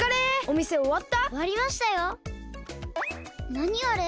なにあれ！？